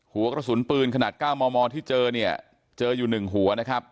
หัวกระสุนปืนขนาด๙มมที่เจอเนี่ยเจออยู่๑หัวนะครับ